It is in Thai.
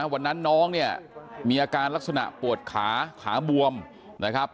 วันนั้นน้องเนี่ยมีอาการลักษณะปวดขาขาบวมนะครับ